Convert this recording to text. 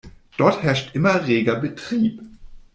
Dort herrscht immer reger Betrieb.